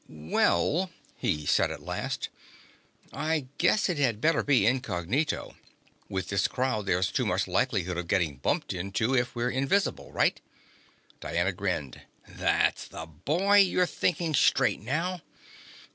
"Well," he said at last, "I guess it had better be incognito. With this crowd, there's too much likelihood of getting bumped into if we're invisible. Right?" Diana grinned. "That's the boy! You're thinking straight now!"